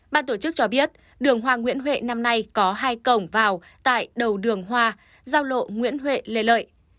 ban tổ chức cho biết đường hoa nguyễn huệ năm nay có hai cổng vào tại đầu đường hoa giao lộ nguyễn huệ lê lợi